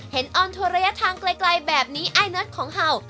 เห็นออนทัวร์ระยะทางไกลแบบนี้อ้ายน็อตของเฮา